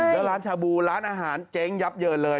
แล้วร้านชาบูร้านอาหารเจ๊งยับเยินเลย